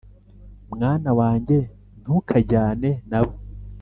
Mwana wanjye, ntukajyane na bo